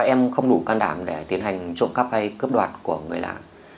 em không đủ can đảm để tiến hành trộm cắp hay cướp đoạt của người lạ